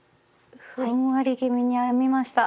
ふんわり気味に編みました。